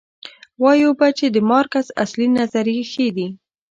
وایو به چې د مارکس اصلي نظریې ښې دي.